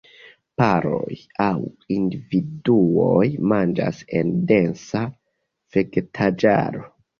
Paroj aŭ individuoj manĝas en densa vegetaĵaro.